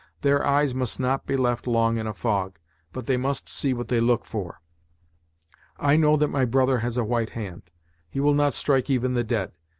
Their eyes must not be left long in a fog, but they must see what they look for. I know that my brother has a white hand; he will not strike even the dead.